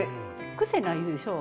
癖ないでしょう。